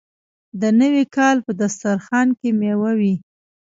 د نوي کال په دسترخان کې میوه وي.